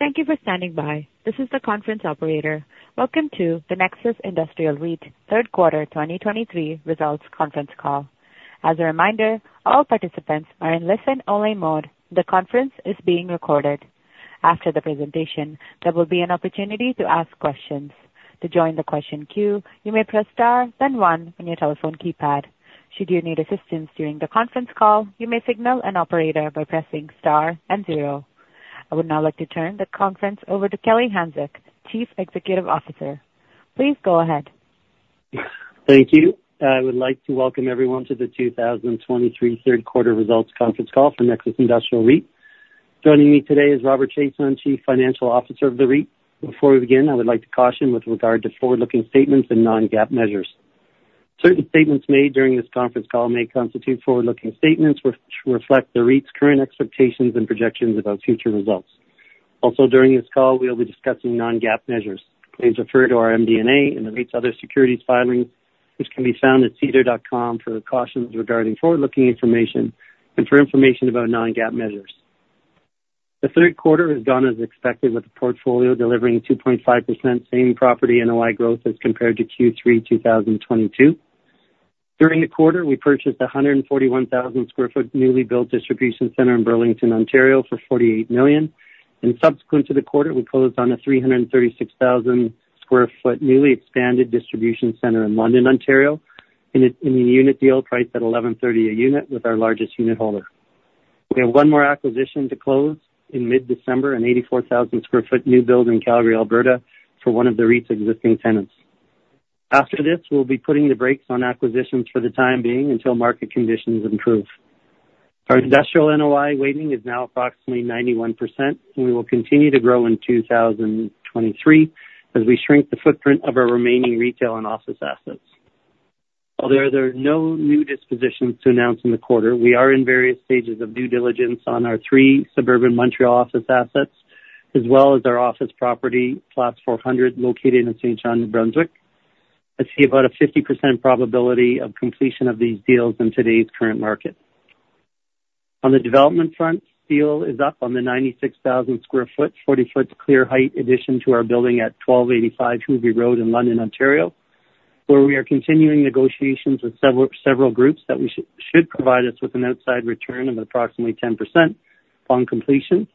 Thank you for standing by. This is the conference operator. Welcome to the Nexus Industrial REIT Third Quarter 2023 Results Conference Call. As a reminder, all participants are in listen-only mode. The conference is being recorded. After the presentation, there will be an opportunity to ask questions. To join the question queue, you may press star, then one on your telephone keypad. Should you need assistance during the conference call, you may signal an operator by pressing star and zero. I would now like to turn the conference over to Kelly Hanczyk, Chief Executive Officer. Please go ahead. Thank you. I would like to welcome everyone to the 2023 third quarter results conference call for Nexus Industrial REIT. Joining me today is Robert Chiasson, Chief Financial Officer of the REIT. Before we begin, I would like to caution with regard to forward-looking statements and non-GAAP measures. Certain statements made during this conference call may constitute forward-looking statements, which reflect the REIT's current expectations and projections about future results. Also, during this call, we'll be discussing non-GAAP measures. Please refer to our MD&A and the REIT's other securities filings, which can be found at SEDAR.com, for cautions regarding forward-looking information and for information about non-GAAP measures. The third quarter has gone as expected, with the portfolio delivering 2.5% Same Property NOI growth as compared to Q3 2022. During the quarter, we purchased a 141,000 sq ft newly built distribution center in Burlington, Ontario, for 48 million, and subsequent to the quarter, we closed on a 336,000 sq ft newly expanded distribution center in London, Ontario, in a unit deal priced at 11.30 a unit with our largest unit holder. We have one more acquisition to close in mid-December, an 84,000 sq ft new build in Calgary, Alberta, for one of the REIT's existing tenants. After this, we'll be putting the brakes on acquisitions for the time being, until market conditions improve. Our industrial NOI weighting is now approximately 91%, and we will continue to grow in 2023 as we shrink the footprint of our remaining retail and office assets. Although there are no new dispositions to announce in the quarter, we are in various stages of due diligence on our three suburban Montreal office assets, as well as our office property, Plaza 400, located in Saint John, New Brunswick. I see about a 50% probability of completion of these deals in today's current market. On the development front, steel is up on the 96,000 sq ft, 40-foot clear height addition to our building at 1,285 Hubrey Road in London, Ontario, where we are continuing negotiations with several, several groups that we should provide us with an outside return of approximately 10% upon completion.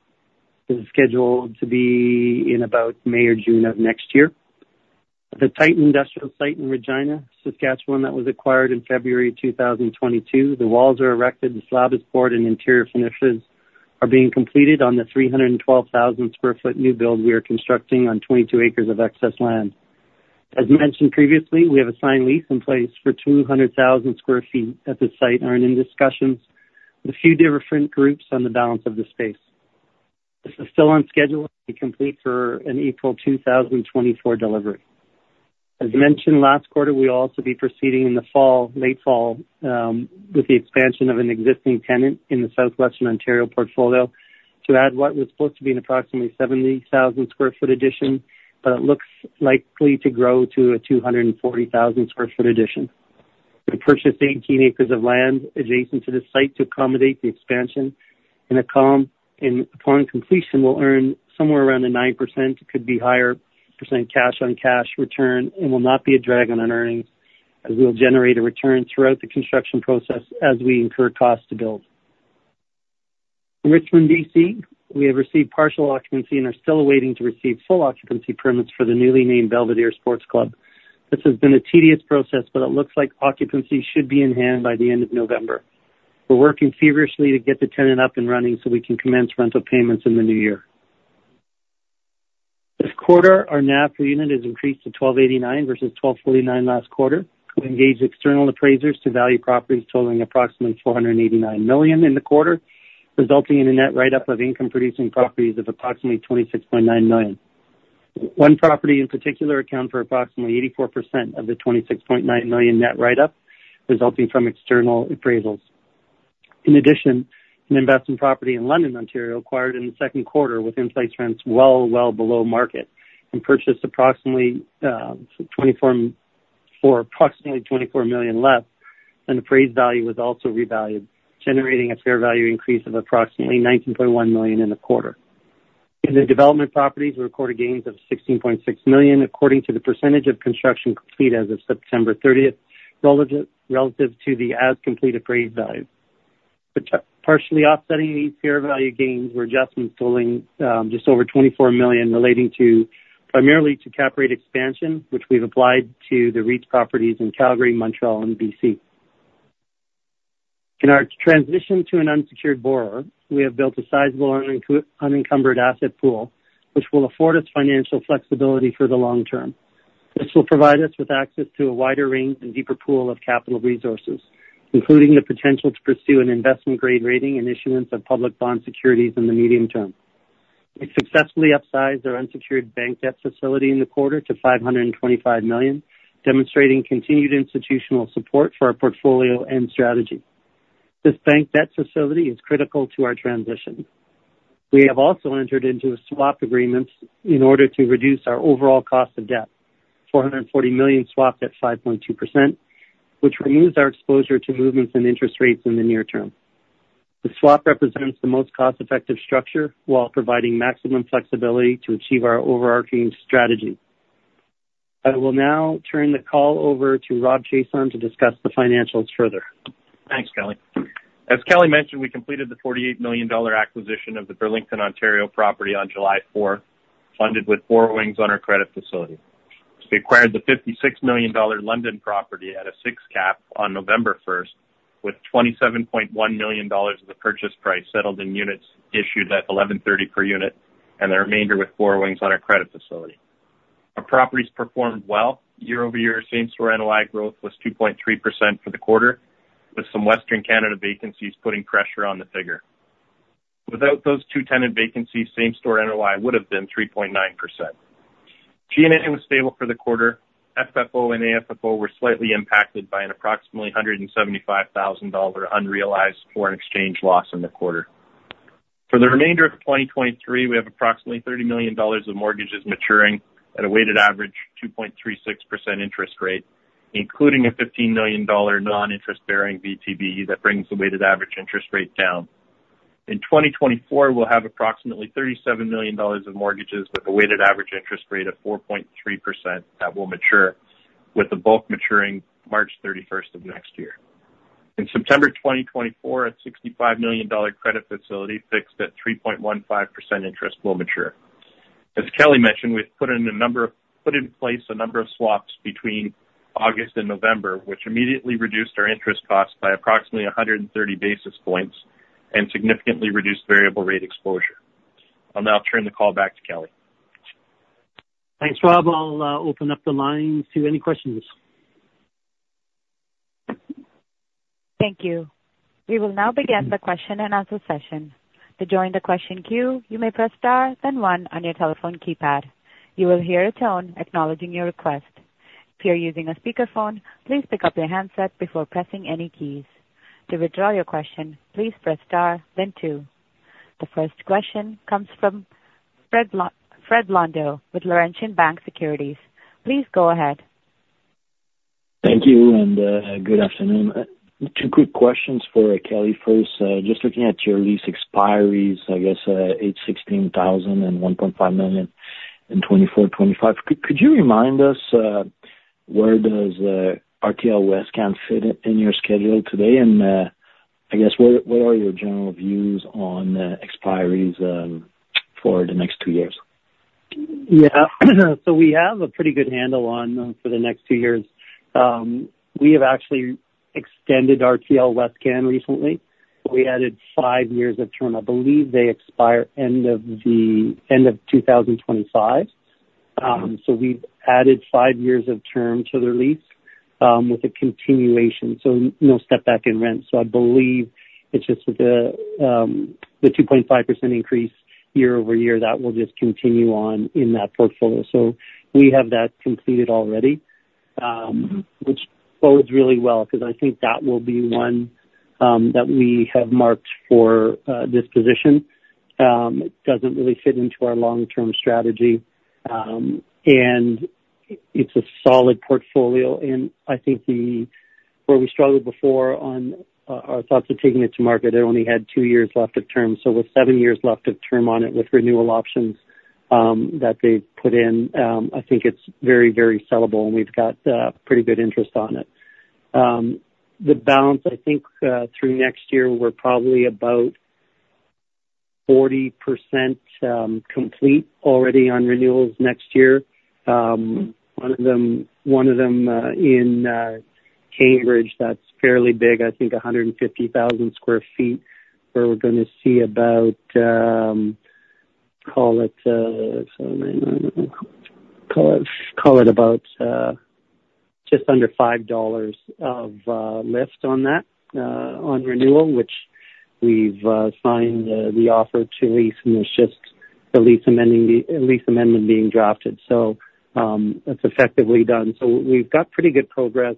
It is scheduled to be in about May or June of next year. The Titan Industrial Site in Regina, Saskatchewan, that was acquired in February 2022, the walls are erected, the slab is poured, and interior finishes are being completed on the 312,000 sq ft new build we are constructing on 22 acres of excess land. As mentioned previously, we have a signed lease in place for 200,000 sq ft at the site and are in discussions with a few different groups on the balance of the space. This is still on schedule to be complete for an April 2024 delivery. As mentioned last quarter, we'll also be proceeding in the fall, late fall, with the expansion of an existing tenant in the Southwestern Ontario portfolio to add what was supposed to be an approximately 70,000 sq ft addition, but it looks likely to grow to a 240,000 sq ft addition. We're purchasing 18 acres of land adjacent to the site to accommodate the expansion, and upon completion, will earn somewhere around the 9%. It could be higher % cash-on-cash return and will not be a drag on earnings, as we'll generate a return throughout the construction process as we incur costs to build. In Richmond, B.C., we have received partial occupancy and are still waiting to receive full occupancy permits for the newly named Belvedere Sports Club. This has been a tedious process, but it looks like occupancy should be in hand by the end of November. We're working feverishly to get the tenant up and running so we can commence rental payments in the new year. This quarter, our NAV per unit has increased to 12.89 versus 12.49 last quarter. We engaged external appraisers to value properties totaling approximately 489 million in the quarter, resulting in a net write-up of income-producing properties of approximately 26.9 million. One property in particular accounted for approximately 84% of the 26.9 million net write-up, resulting from external appraisals. In addition, an investment property in London, Ontario, acquired in the second quarter with in-place rents well, well below market and purchased approximately twenty-four, for approximately 24 million less, and appraised value was also revalued, generating a fair value increase of approximately 19.1 million in the quarter. In the development properties, we recorded gains of 16.6 million, according to the percentage of construction complete as of September thirtieth, relative to the as-complete appraised value. Partially offsetting these fair value gains were adjustments totaling just over 24 million, relating primarily to cap rate expansion, which we've applied to the REIT's properties in Calgary, Montreal, and B.C. In our transition to an unsecured borrower, we have built a sizable unencumbered asset pool, which will afford us financial flexibility for the long term. This will provide us with access to a wider range and deeper pool of capital resources, including the potential to pursue an investment-grade rating and issuance of public bond securities in the medium term. We successfully upsized our unsecured bank debt facility in the quarter to 525 million, demonstrating continued institutional support for our portfolio and strategy. This bank debt facility is critical to our transition. We have also entered into swap agreements in order to reduce our overall cost of debt, 440 million swapped at 5.2%... which removes our exposure to movements in interest rates in the near term. The swap represents the most cost-effective structure, while providing maximum flexibility to achieve our overarching strategy. I will now turn the call over to Robert Chiasson to discuss the financials further. Thanks, Kelly. As Kelly mentioned, we completed the 48 million dollar acquisition of the Burlington, Ontario property on July 4, funded with borrowings on our credit facility. We acquired the 56 million dollar London property at a %6 cap on November 1, with 27.1 million dollars of the purchase price settled in units issued at 11.30 per unit, and the remainder with borrowings on our credit facility. Our properties performed well. Year-over-year same store NOI growth was 2.3% for the quarter, with some Western Canada vacancies putting pressure on the figure. Without those two tenant vacancies, same store NOI would have been 3.9%. G&A was stable for the quarter. FFO and AFFO were slightly impacted by an approximately 175,000 dollar unrealized foreign exchange loss in the quarter. For the remainder of 2023, we have approximately 30 million dollars of mortgages maturing at a weighted average 2.36% interest rate, including a 15 million dollar non-interest bearing VTB that brings the weighted average interest rate down. In 2024, we'll have approximately 37 million dollars of mortgages with a weighted average interest rate of 4.3% that will mature, with the bulk maturing March 31 of next year. In September 2024, a 65 million dollar credit facility fixed at 3.15% interest will mature. As Kelly mentioned, we've put in place a number of swaps between August and November, which immediately reduced our interest costs by approximately 130 basis points and significantly reduced variable rate exposure. I'll now turn the call back to Kelly. Thanks, Rob. I'll open up the line to any questions. Thank you. We will now begin the question and answer session. To join the question queue, you may press Star, then One on your telephone keypad. You will hear a tone acknowledging your request. If you're using a speakerphone, please pick up your handset before pressing any keys. To withdraw your question, please press Star then Two. The first question comes from Frederic Blondeau with Laurentian Bank Securities. Please go ahead. Thank you, and good afternoon. Two quick questions for Kelly. First, just looking at your lease expiries, I guess, 816,000 and 1.5 million in 2024, 2025. Could you remind us, where does RTL-Westcan fit in your schedule today? And, I guess, what are your general views on expiries for the next two years? Yeah, so we have a pretty good handle on for the next two years. We have actually extended RTL-Westcan recently. We added five years of term. I believe they expire end of 2025. So we've added five years of term to their lease, with a continuation, so no step back in rent. So I believe it's just with the 2.5% increase year-over-year, that will just continue on in that portfolio. So we have that completed already, which bodes really well, because I think that will be one that we have marked for disposition. It doesn't really fit into our long-term strategy. And it's a solid portfolio, and I think the... where we struggled before on our thoughts of taking it to market, it only had two years left of term. So with seven years left of term on it, with renewal options that they've put in, I think it's very, very sellable, and we've got pretty good interest on it. The balance, I think, through next year, we're probably about 40% complete already on renewals next year. One of them in Cambridge, that's fairly big, I think 150,000 sq ft, where we're going to see about call it about just under 5 dollars of lift on that on renewal, which we've signed the offer to lease and there's just the lease amendment being drafted. So that's effectively done. So we've got pretty good progress.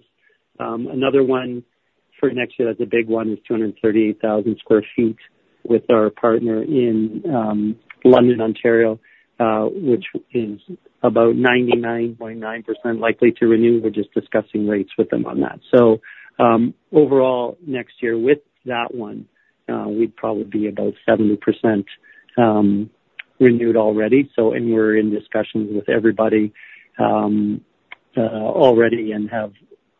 Another one for next year, that's a big one, is 238,000 sq ft with our partner in London, Ontario, which is about 99.9% likely to renew. We're just discussing rates with them on that. So, overall, next year, with that one, we'd probably be about 70% renewed already. And we're in discussions with everybody, already and have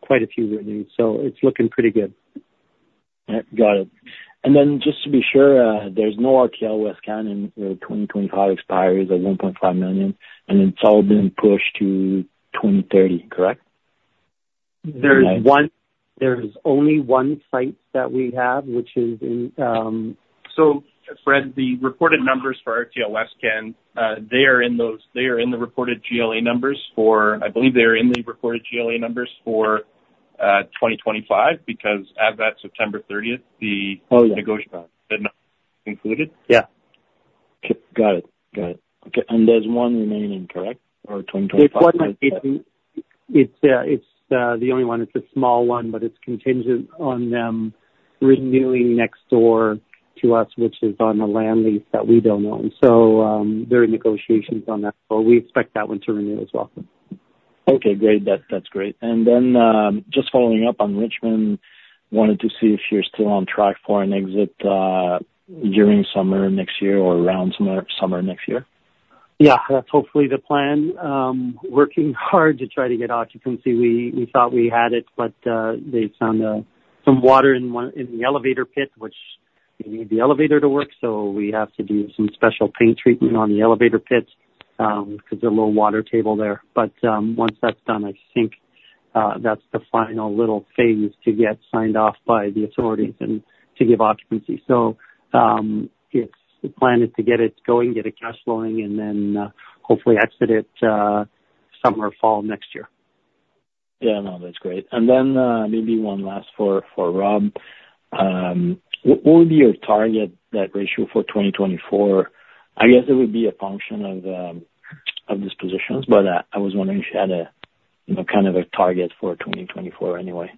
quite a few renewed, so it's looking pretty good. Yeah. Got it. And then just to be sure, there's no RTL-Westcan in the 2025 expiry, the 1.5 million, and it's all been pushed to 2030, correct? There's only one site that we have, which is in, So Fred, the reported numbers for RTL-Westcan, they are in those, they are in the reported GLA numbers for, I believe they are in the reported GLA numbers for 2025, because as of that September thirtieth, the- Oh, yeah. Negotiation had been concluded. Yeah. Okay. Got it. Got it. Okay, and there's one remaining, correct? Or 2025- It's the only one. It's a small one, but it's contingent on them renewing next door to us, which is on a land lease that we don't own. So, there are negotiations on that, so we expect that one to renew as well. Okay, great. That, that's great. And then, just following up on Richmond, wanted to see if you're still on track for an exit, during summer next year or around summer, summer next year. Yeah, that's hopefully the plan. Working hard to try to get occupancy. We thought we had it, but they found some water in the elevator pit, which they need the elevator to work, so we have to do some special paint treatment on the elevator pits because there's a little water table there. But once that's done, I think that's the final little phase to get signed off by the authorities and to give occupancy. So it's the plan is to get it going, get it cash flowing, and then hopefully exit it summer or fall next year. Yeah, no, that's great. And then, maybe one last for, for Rob. What, what would be your target, net ratio for 2024? I guess it would be a function of, of dispositions, but, I was wondering if you had a, you know, kind of a target for 2024 anyway.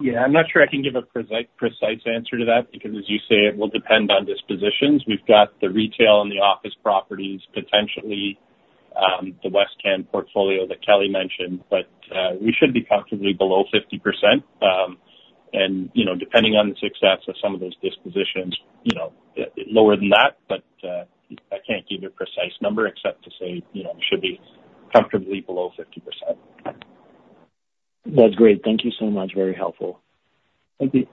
Yeah, I'm not sure I can give a precise answer to that, because as you say, it will depend on dispositions. We've got the retail and the office properties, potentially, the Westcan portfolio that Kelly mentioned, but we should be comfortably below 50%. And, you know, depending on the success of some of those dispositions, you know, lower than that, but I can't give you a precise number except to say, you know, it should be comfortably below 50%. That's great. Thank you so much. Very helpful. Thank you.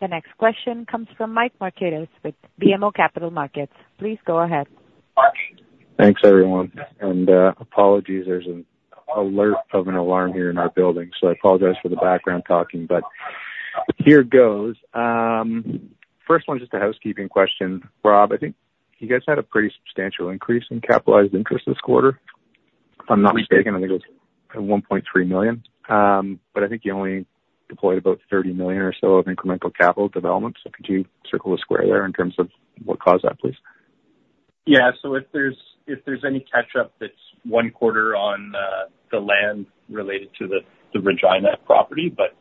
The next question comes from Mike Markidis with BMO Capital Markets. Please go ahead. Thanks, everyone. Apologies, there's an alert of an alarm here in our building, so I apologize for the background talking, but here goes. First one, just a housekeeping question. Rob, I think you guys had a pretty substantial increase in capitalized interest this quarter. If I'm not mistaken, I think it was 1.3 million. But I think you only deployed about 30 million or so of incremental capital development. So could you circle the square there in terms of what caused that, please? Yeah. So if there's, if there's any catch up, that's one quarter on the land related to the Regina property, but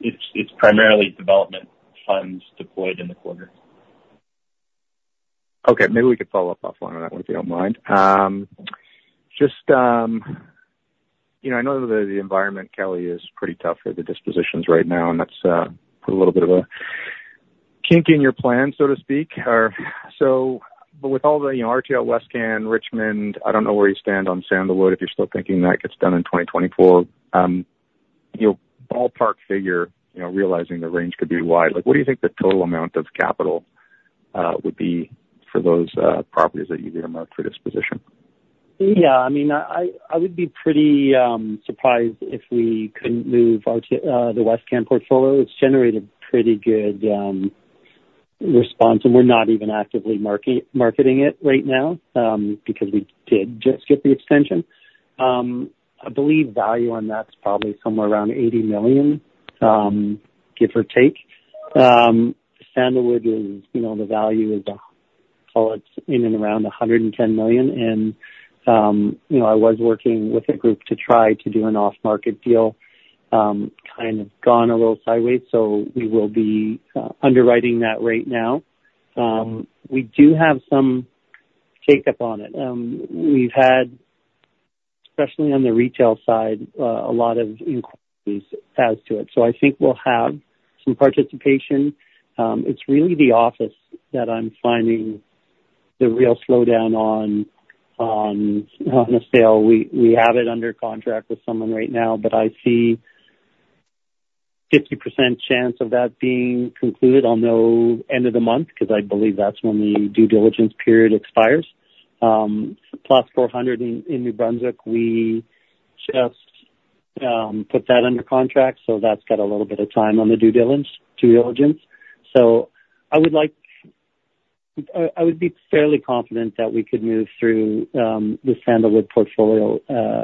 it's primarily development funds deployed in the quarter. Okay, maybe we could follow up on that one, if you don't mind. Just, you know, I know the environment, Kelly, is pretty tough for the dispositions right now, and that's put a little bit of a kink in your plan, so to speak, or so... But with all the, you know, RTL-Westcan, Richmond, I don't know where you stand on Sandalwood, if you're still thinking that gets done in 2024, you know, ballpark figure, you know, realizing the range could be wide, like, what do you think the total amount of capital would be for those properties that you've earmarked for disposition? Yeah, I mean, I would be pretty surprised if we couldn't move out the Westcan portfolio. It's generated pretty good response, and we're not even actively marketing it right now, because we did just get the extension. I believe value on that's probably somewhere around 80 million, give or take. Sandalwood is, you know, the value is, well, it's in and around 110 million, and, you know, I was working with a group to try to do an off-market deal. Kind of gone a little sideways, so we will be underwriting that right now. We do have some shake up on it. We've had, especially on the retail side, a lot of inquiries as to it, so I think we'll have some participation. It's really the office that I'm finding the real slowdown on the sale. We have it under contract with someone right now, but I see 50% chance of that being concluded on the end of the month, because I believe that's when the due diligence period expires. Plaza 400 in New Brunswick, we just put that under contract, so that's got a little bit of time on the due diligence. So I would be fairly confident that we could move through the Sandalwood portfolio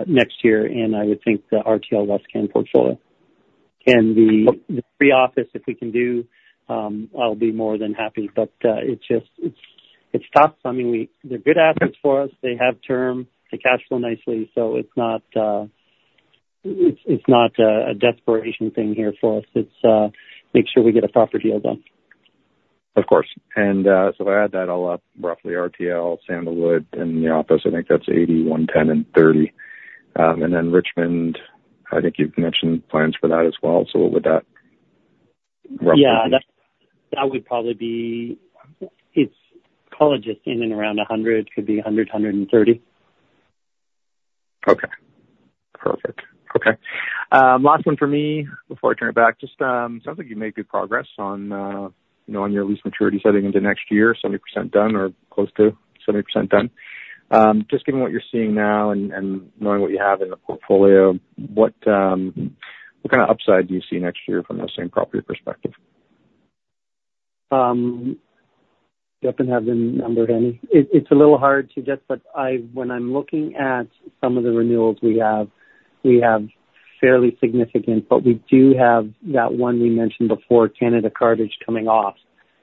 next year, and I would think the RTL-Westcan portfolio. And the free office, if we can do, I'll be more than happy. But it's just, it's tough. I mean, they're good assets for us. They have term, they cash flow nicely, so it's not a desperation thing here for us. It's make sure we get a proper deal done. Of course. And, so if I add that all up, roughly RTL, Sandalwood, and the office, I think that's 80, 110, and 30. And then Richmond, I think you've mentioned plans for that as well. So what would that roughly be? Yeah, that would probably be... It's, call it, just in and around 100, could be 100-130. Okay. Perfect. Okay, last one for me before I turn it back. Just, sounds like you made good progress on, you know, on your lease maturity heading into next year, 70% done or close to 70% done. Just given what you're seeing now and, and knowing what you have in the portfolio, what, what kind of upside do you see next year from a same property perspective? Don't have the number handy. It's a little hard to get, but when I'm looking at some of the renewals we have, we have fairly significant, but we do have that one we mentioned before, Canada Cartage, coming off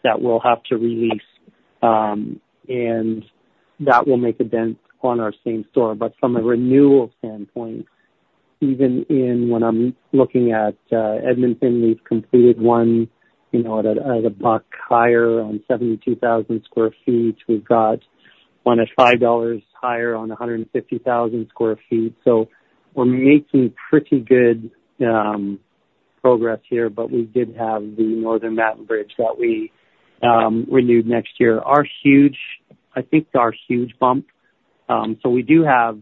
that we'll have to re-lease, and that will make a dent on our same store. But from a renewal standpoint, even when I'm looking at Edmonton, we've completed one, you know, at a CAD 1 higher on 72,000 sq ft. We've got one at 5 dollars higher on 150,000 sq ft. So we're making pretty good progress here, but we did have the North Battleford that we renewed next year. Our huge, I think, our huge bump, so we do have,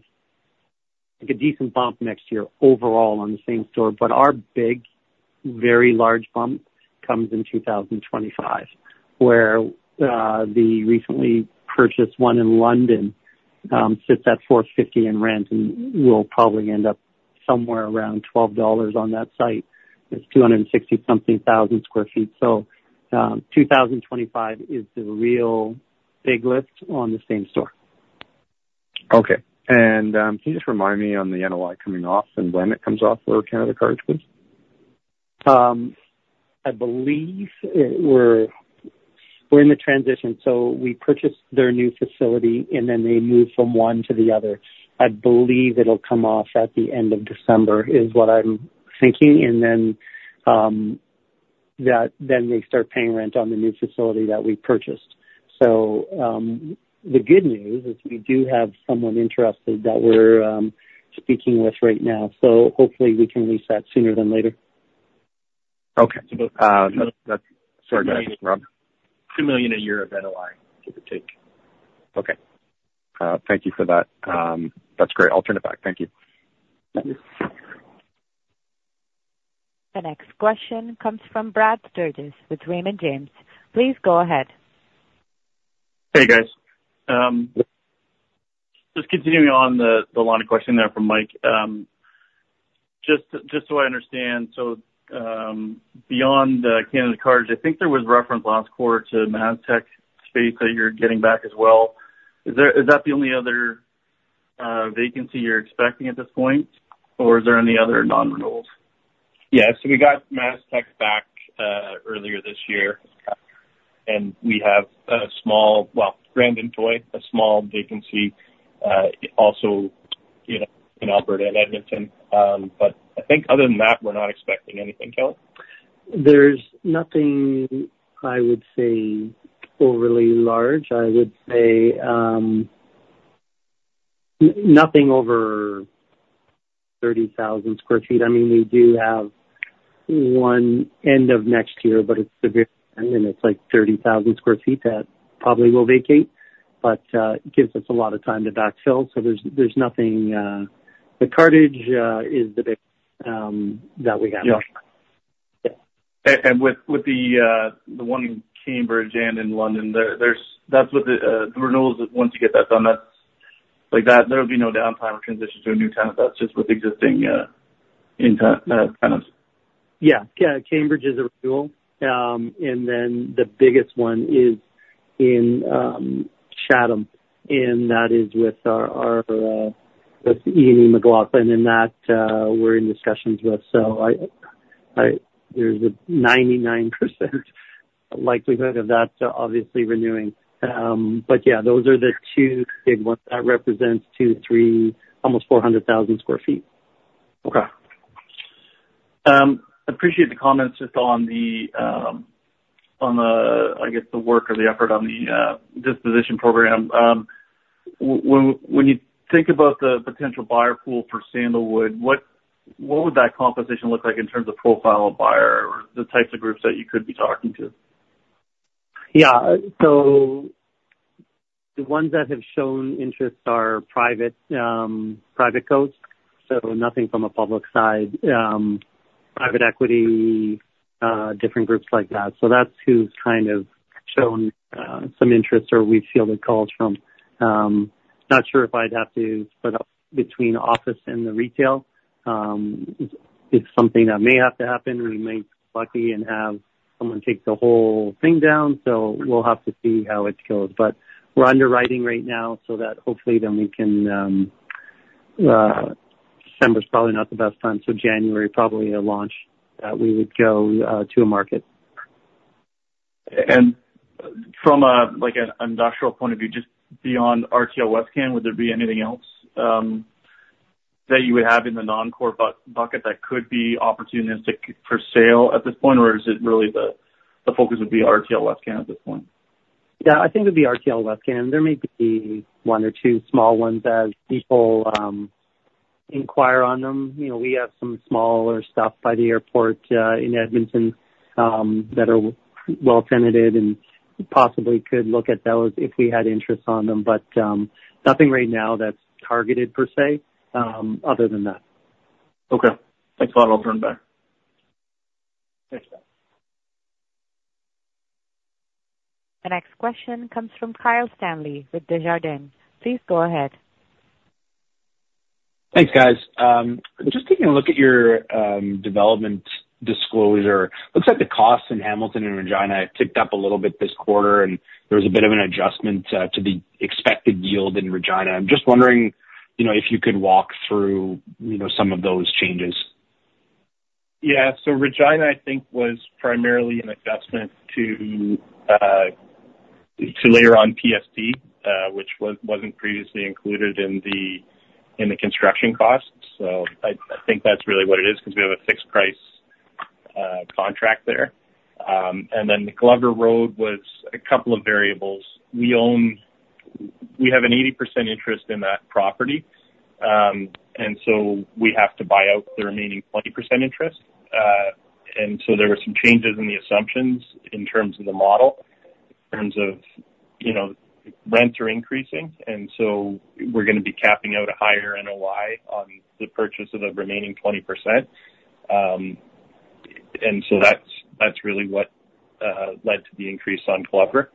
like, a decent bump next year overall on the same store, but our big, very large bump comes in 2025, where, the recently purchased one in London, sits at 4.50 in rent and will probably end up somewhere around 12 dollars on that site. It's 260-something thousand sq ft. So, 2025 is the real big lift on the same store. Okay. Can you just remind me on the NOI coming off and when it comes off for Canada Cartage, please? I believe it we're in the transition, so we purchased their new facility, and then they moved from one to the other. I believe it'll come off at the end of December, is what I'm thinking, and then, that then they start paying rent on the new facility that we purchased. So, the good news is we do have someone interested that we're speaking with right now, so hopefully we can lease that sooner than later. Okay. That's... Sorry, go ahead, Rob. 2 million a year of NOI, give or take. Okay. Thank you for that. That's great. I'll turn it back. Thank you. Thank you. The next question comes from Brad Sturges with Raymond James. Please go ahead. Hey, guys. Just continuing on the line of questioning there from Mike. Just so I understand, beyond the Canada Cartage, I think there was reference last quarter to MasTec space that you're getting back as well. Is that the only other vacancy you're expecting at this point, or is there any other nonrenewals? Yeah. So we got MasTec back earlier this year, and we have a small, well, Grand & Toy, a small vacancy also, you know, in Alberta and Edmonton. But I think other than that, we're not expecting anything else. There's nothing I would say overly large. I would say nothing over 30,000 sq ft. I mean, we do have one end of next year, but it's a very, and it's like 30,000 sq ft that probably will vacate, but it gives us a lot of time to backfill. So there's nothing, the Cartage is the big that we have. Yeah. Yeah. And with the one in Cambridge and in London, there's, that's what the renewals, once you get that done, that's like, that there would be no downtime or transition to a new tenant. That's just with existing tenants. Yeah. Yeah. Cambridge is a renewal. And then the biggest one is in Chatham, and that is with our with E & E McLaughlin, and that we're in discussions with. So I there's a 99% likelihood of that obviously renewing. But yeah, those are the two big ones. That represents 200,000-300,000, almost 400,000 sq ft. Okay. Appreciate the comments just on the, I guess, the work or the effort on the disposition program. When you think about the potential buyer pool for Sandalwood, what would that composition look like in terms of profile of buyer or the types of groups that you could be talking to? Yeah. So the ones that have shown interest are private, private cos, so nothing from a public side, private equity, different groups like that. So that's who's kind of shown some interest or we've fielded calls from. Not sure if I'd have to, but between office and the retail, it's something that may have to happen. We may be lucky and have someone take the whole thing down, so we'll have to see how it goes. But we're underwriting right now, so that hopefully then we can, December's probably not the best time, so January, probably a launch, we would go to a market. From a, like, an industrial point of view, just beyond RTL-Westcan, would there be anything else that you would have in the non-core bucket that could be opportunistic for sale at this point? Or is it really the focus would be RTL-Westcan at this point? Yeah, I think it'd be RTL-Westcan. There may be one or two small ones as people inquire on them. You know, we have some smaller stuff by the airport in Edmonton that are well tenanted, and possibly could look at those if we had interest on them, but nothing right now that's targeted per se, other than that. Okay. Thanks a lot. I'll turn it back. Thanks, Brad. The next question comes from Kyle Stanley with Desjardins. Please go ahead. Thanks, guys. Just taking a look at your development disclosure. Looks like the costs in Hamilton and Regina have ticked up a little bit this quarter, and there was a bit of an adjustment to the expected yield in Regina. I'm just wondering, you know, if you could walk through, you know, some of those changes?... Yeah. So Regina, I think, was primarily an adjustment to, to later on PST, which wasn't previously included in the, in the construction costs. So I, I think that's really what it is, because we have a fixed price, contract there. And then the Glover Road was a couple of variables. We own-- We have an 80% interest in that property, and so we have to buy out the remaining 20% interest. And so there were some changes in the assumptions in terms of the model, in terms of, you know, rents are increasing, and so we're gonna be capping out a higher NOI on the purchase of the remaining 20%. And so that's, that's really what, led to the increase on Glover.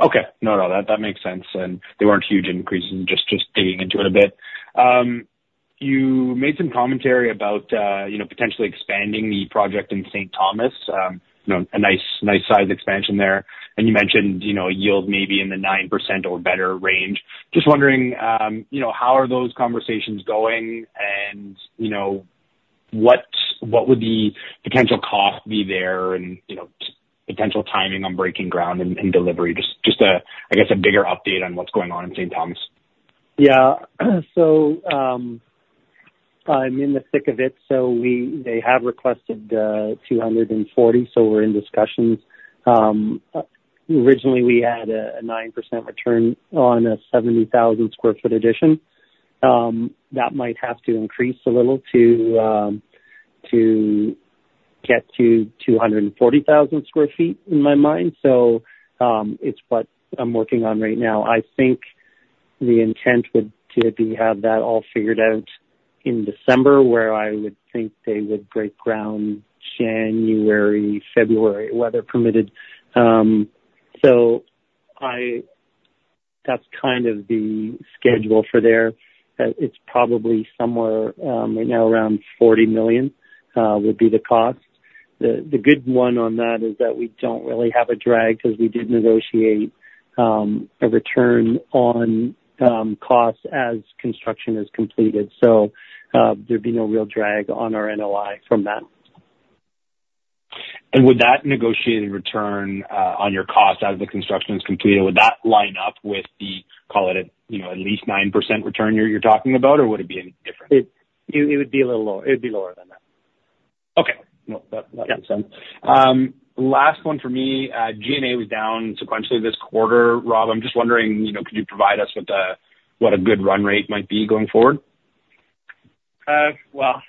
Okay. No, that makes sense. And they weren't huge increases, just digging into it a bit. You made some commentary about, you know, potentially expanding the project in St. Thomas. You know, a nice size expansion there. And you mentioned, you know, a yield maybe in the 9% or better range. Just wondering, you know, how are those conversations going? And, you know, what would the potential cost be there and, you know, potential timing on breaking ground and delivery? Just a, I guess, a bigger update on what's going on in St. Thomas. Yeah. So, I'm in the thick of it. So they have requested 240, so we're in discussions. Originally, we had a 9% return on a 70,000 sq ft addition. That might have to increase a little to get to 240,000 sq ft, in my mind. So, it's what I'm working on right now. I think the intent would to be, have that all figured out in December, where I would think they would break ground January, February, weather permitted. So that's kind of the schedule for there. It's probably somewhere, right now, around 40 million would be the cost. The good one on that is that we don't really have a drag, because we did negotiate a return on costs as construction is completed, so there'd be no real drag on our NOI from that. Would that negotiated return on your costs as the construction is completed line up with the, call it a, you know, at least 9% return you're talking about, or would it be any different? It would be a little lower. It would be lower than that. Okay. Well, that makes sense. Yeah. Last one for me. G&A was down sequentially this quarter. Rob, I'm just wondering, you know, could you provide us with what a good run rate might be going forward? Well,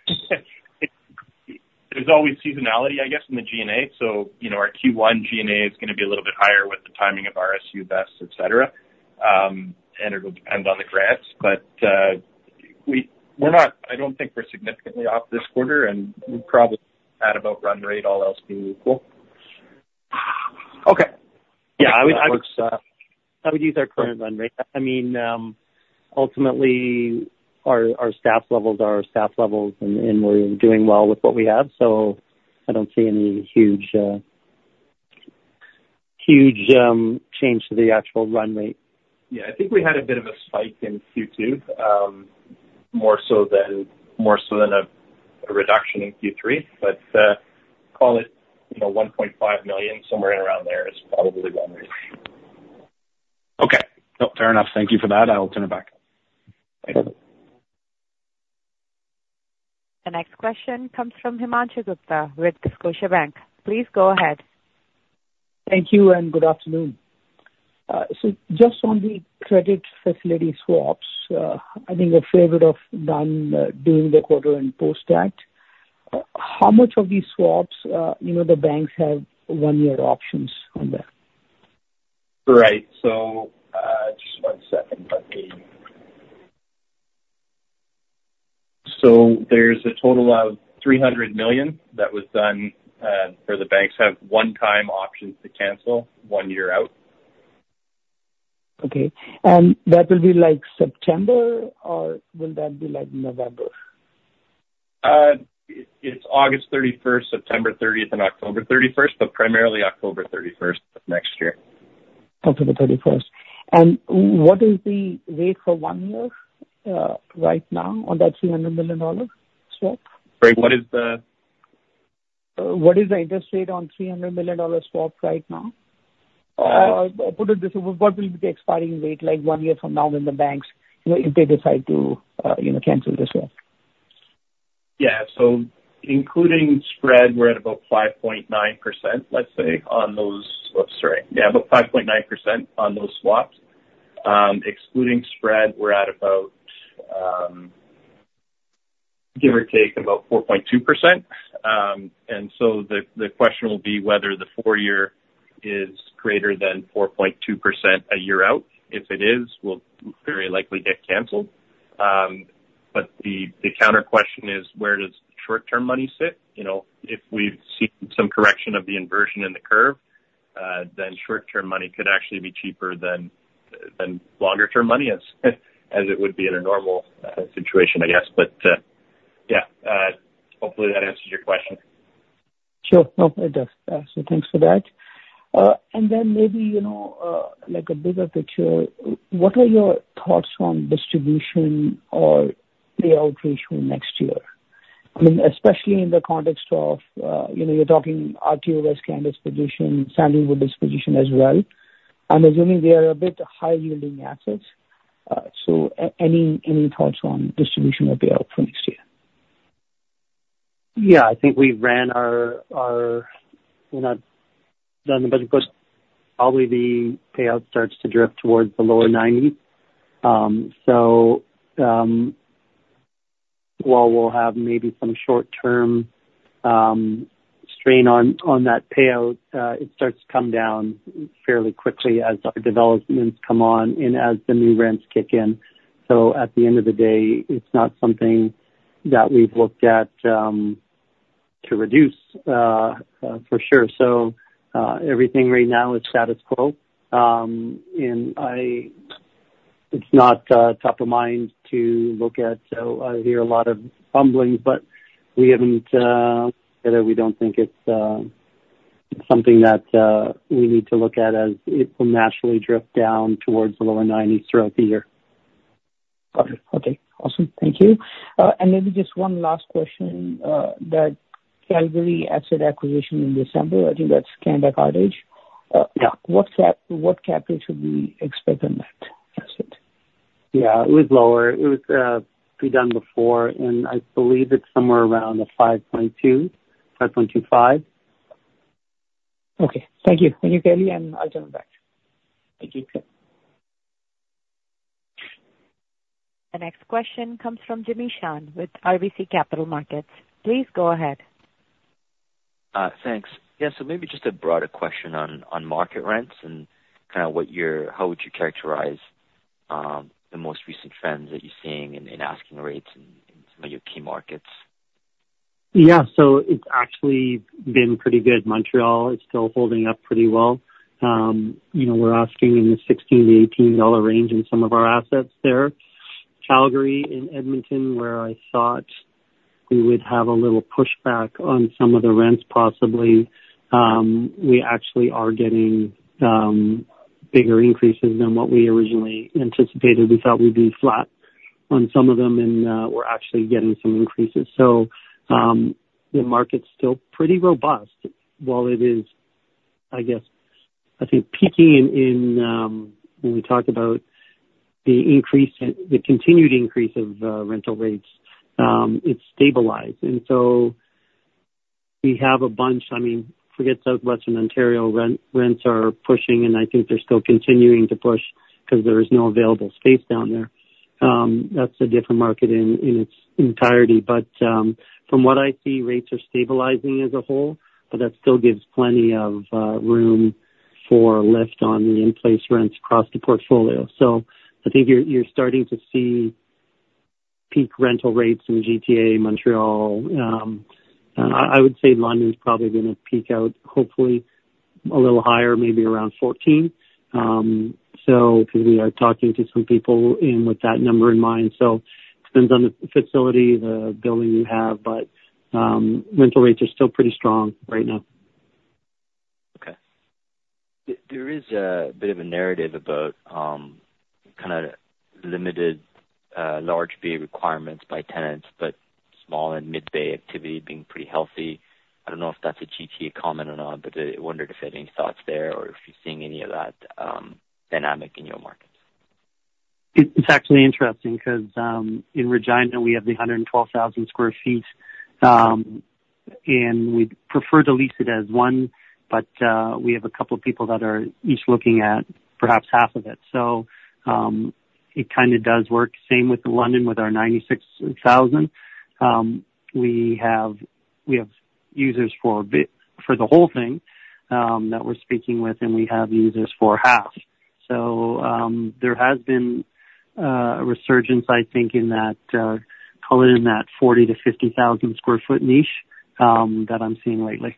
there's always seasonality, I guess, in the G&A. So, you know, our Q1 G&A is gonna be a little bit higher with the timing of RSU vests, et cetera, and it'll depend on the grants. But, we're not, I don't think we're significantly off this quarter, and we're probably at about run rate, all else being equal. Okay. Yeah, I would use our current run rate. I mean, ultimately, our staff levels are our staff levels, and we're doing well with what we have, so I don't see any huge change to the actual run rate. Yeah, I think we had a bit of a spike in Q2, more so than a reduction in Q3. But call it, you know, 1.5 million, somewhere in around there is probably run rate. Okay. No, fair enough. Thank you for that. I will turn it back. Thanks. The next question comes from Himanshu Gupta with Scotiabank. Please go ahead. Thank you, and good afternoon. So just on the credit facility swaps, I think a fair bit of done during the quarter and post that, how much of these swaps, you know, the banks have one-year options on that? Right. So, there's a total of 300 million that was done, where the banks have one-time options to cancel one year out. Okay. And that will be like September, or will that be like November? It's August 31st, September 30th, and October 31st, but primarily October 31st of next year. October thirty-first. What is the rate for one year, right now on that 300 million dollar swap? Sorry, what is the? What is the interest rate on 300 million dollar swap right now? Put it this way, what will be the expiring rate like one year from now when the banks, you know, if they decide to, you know, cancel the swap? Yeah. So including spread, we're at about 5.9%, let's say, on those swaps. Excluding spread, we're at about, give or take, about 4.2%. And so the question will be whether the four-year is greater than 4.2% a year out. If it is, we'll very likely get canceled. But the counter question is: Where does short-term money sit? You know, if we've seen some correction of the inversion in the curve, then short-term money could actually be cheaper than longer-term money, as it would be in a normal situation, I guess. But, yeah, hopefully that answers your question.... Sure. No, it does. So thanks for that. And then maybe, you know, like a bigger picture, what are your thoughts on distribution or payout ratio next year? I mean, especially in the context of, you know, you're talking RTOS candidates position, Sandalwood disposition as well. I'm assuming they are a bit high yielding assets. So any thoughts on distribution or payout for next year? Yeah, I think we ran our, we're not done, but of course, probably the payout starts to drift towards the lower 90s. So, while we'll have maybe some short-term strain on that payout, it starts to come down fairly quickly as our developments come on and as the new rents kick in. So at the end of the day, it's not something that we've looked at to reduce for sure. So, everything right now is status quo. And it's not top of mind to look at, so I hear a lot of fumbling, but we haven't, we don't think it's something that we need to look at as it will naturally drift down towards the lower 90s throughout the year. Got it. Okay, awesome. Thank you. Maybe just one last question, that Calgary asset acquisition in December, I think that's Canada Cartage. Yeah. What capital should we expect on that asset? Yeah, it was lower. It was pretty done before, and I believe it's somewhere around the 5.2-5.25. Okay, thank you. Thank you, Kelly, and I'll join back. Thank you. The next question comes from Jimmy Shan with RBC Capital Markets. Please go ahead. Thanks. Yeah, so maybe just a broader question on market rents and kind of what you're -- how would you characterize the most recent trends that you're seeing in asking rates in some of your key markets? Yeah. So it's actually been pretty good. Montreal is still holding up pretty well. You know, we're asking in the 16-18 dollar range in some of our assets there. Calgary and Edmonton, where I thought we would have a little pushback on some of the rents, possibly, we actually are getting bigger increases than what we originally anticipated. We thought we'd be flat on some of them, and we're actually getting some increases. So, the market's still pretty robust. While it is, I guess, I think peaking in when we talk about the increase, the continued increase of rental rates, it's stabilized. And so we have a bunch. I mean, forget Southwestern Ontario, rents are pushing, and I think they're still continuing to push because there is no available space down there. That's a different market in its entirety. But from what I see, rates are stabilizing as a whole, but that still gives plenty of room for lift on the in-place rents across the portfolio. So I think you're starting to see peak rental rates in GTA, Montreal. I would say London is probably going to peak out, hopefully a little higher, maybe around 14. So we are talking to some people and with that number in mind. So depends on the facility, the building you have, but rental rates are still pretty strong right now. Okay. There is a bit of a narrative about kind of limited large bay requirements by tenants, but small- and mid-bay activity being pretty healthy. I don't know if that's a GTA comment or not, but I wondered if you had any thoughts there or if you're seeing any of that dynamic in your markets. It's actually interesting because, in Regina, we have the 112,000 sq ft, and we'd prefer to lease it as one, but, we have a couple of people that are each looking at perhaps half of it. So, it kind of does work. Same with London, with our 96,000 sq ft. We have, we have users for a bit, for the whole thing, that we're speaking with, and we have users for half. So, there has been, a resurgence, I think, in that, call it in that 40,000-50,000 sq ft niche, that I'm seeing lately.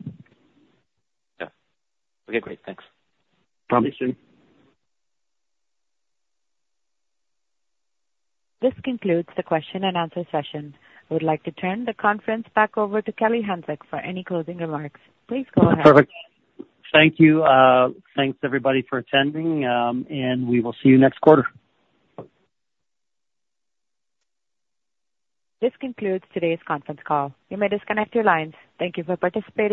Yeah. Okay, great. Thanks. No problem. This concludes the question and answer session. I would like to turn the conference back over to Kelly Hanczyk for any closing remarks. Please go ahead. Perfect. Thank you. Thanks, everybody, for attending, and we will see you next quarter. This concludes today's conference call. You may disconnect your lines. Thank you for participating.